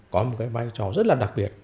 có một cái vai trò rất là đặc biệt